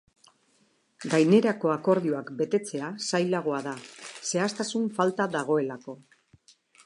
Gainerako akordioak betetzea zailagoa da, zehaztasun falta dagoelako.